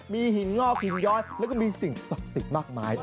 มีหินงอกหินย้อยแล้วก็มีสิ่งศักดิ์สิทธิ์มากมายด้วย